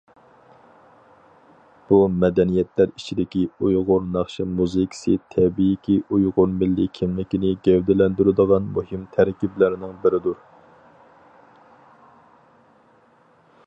بۇ مەدەنىيەتلەر ئىچىدىكى ئۇيغۇر ناخشا مۇزىكىسى تەبىئىيكى ئۇيغۇر مىللىي كىملىكىنى گەۋدىلەندۈرىدىغان مۇھىم تەركىبلەرنىڭ بىرىدۇر.